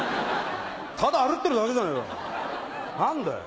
ただ歩いてるだけじゃねえか何だよ？